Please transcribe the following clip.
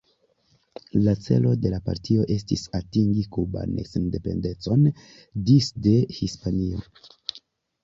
La celo de la partio estis atingi kuban sendependecon disde Hispanio.